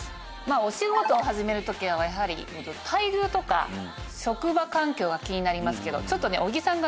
お仕事を始める時はやはり待遇とか職場環境が気になりますけど。